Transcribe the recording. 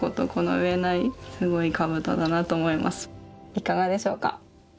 いかがでしょうか？